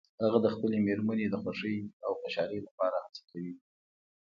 هغه د خپلې مېرمنې د خوښې او خوشحالۍ لپاره هڅه کوي